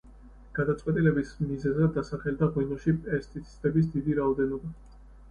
გადაწყვეტილების მიზეზად დასახელდა ღვინოში პესტიციდების დიდი რაოდენობა.